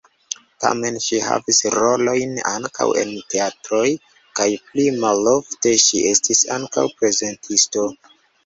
Tamen ŝi havis rolojn ankaŭ en teatroj kaj pli malofte ŝi estis ankaŭ prezentisto.